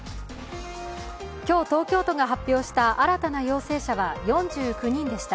今日、東京都が発表した新たな陽性者は４９人でした。